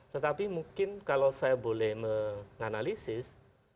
tetapi mungkin kalau saya boleh menganalisis